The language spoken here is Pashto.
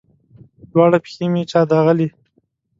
دواړې پښې مې چا داغلي